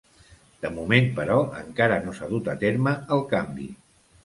De moment, però, encara no s'ha dut a terme el canvi.